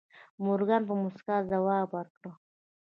مورګان په موسکا ځواب ورکړ.